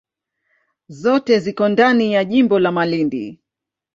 Zote ziko ndani ya jimbo la Malindi.